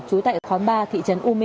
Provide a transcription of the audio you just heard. trú tại khóa ba thị trấn u minh